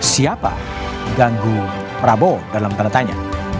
siapa ganggu prabowo dalam tanda tanya